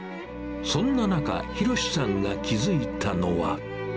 そんな中、博さんが気付いたのは。